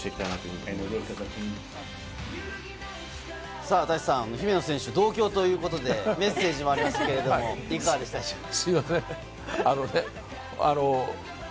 さぁ、舘さん、姫野選手、同郷ということで、メッセージもありましたけれど、いかがでしたでしょうか？